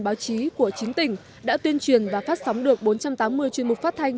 báo chí của chín tỉnh đã tuyên truyền và phát sóng được bốn trăm tám mươi chuyên mục phát thanh